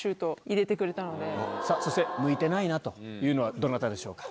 そして「向いてないな」というのはどなたでしょうか？